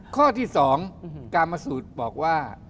ข้อที่สองกามสูตรบอกว่า